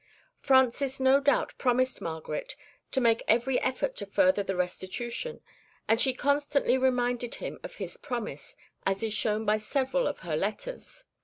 Francis no doubt promised Margaret to make every effort to further the restitution, and she constantly reminded him of his promise, as is shown by several of her letters.